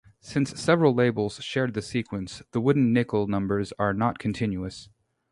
Since several labels shared the sequence, the Wooden Nickel numbers are not continuous.